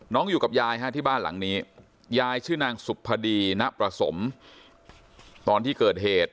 อยู่กับยายฮะที่บ้านหลังนี้ยายชื่อนางสุพดีณประสมตอนที่เกิดเหตุ